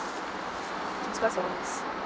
お疲れさまです。